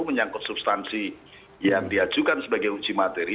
menyangkut substansi yang diajukan sebagai uji materi